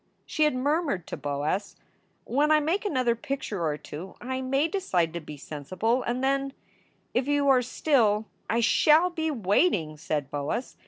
She had murmured to Boas, "When I make another picture or two I may decide to be sensible, and then if you are still " "I shall be waiting," said Boas.